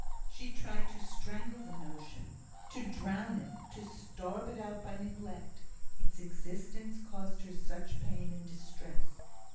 She tried to strangle the notion, to drown it, to starve it out by neglect its existence caused her such pain and distress.